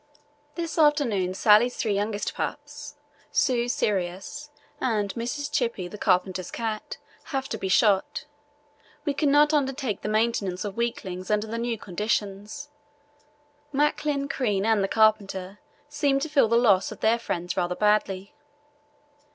"This afternoon Sallie's three youngest pups, Sue's Sirius, and Mrs. Chippy, the carpenter's cat, have to be shot. We could not undertake the maintenance of weaklings under the new conditions. Macklin, Crean, and the carpenter seemed to feel the loss of their friends rather badly.